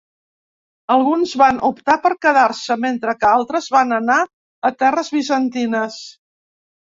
Alguns van optar per quedar-se, mentre que altres van anar a terres bizantines.